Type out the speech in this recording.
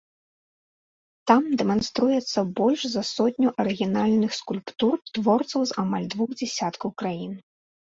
Там дэманструецца больш за сотню арыгінальных скульптур творцаў з амаль двух дзясяткаў краін.